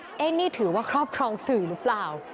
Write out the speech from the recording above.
นี่ถือว่าครอบครองสื่อหรือเปล่า